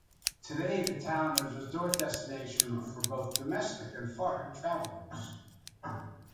Today, the town is a resort destination for both domestic and foreign travelers.